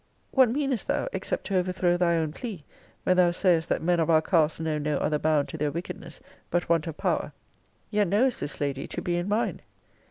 What meanest thou, except to overthrow thy own plea, when thou sayest, that men of our cast know no other bound to their wickedness, but want of power; yet knowest this lady to be in mine?